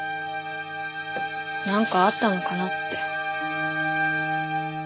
なんかあったのかなって。